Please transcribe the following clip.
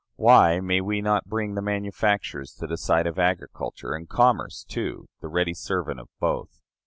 Why may we not bring the manufacturers to the side of agriculture, and commerce, too, the ready servant of both?